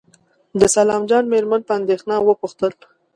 د سلام جان مېرمن په اندېښنه وپوښتل.